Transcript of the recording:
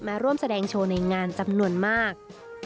มาร่วมแสดงโชว์ในงานจำนวนมาก